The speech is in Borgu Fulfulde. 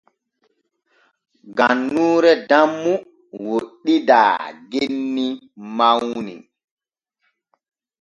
Gannuure Dammu woɗɗidaa genni mawni.